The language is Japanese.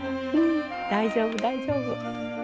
大丈夫大丈夫。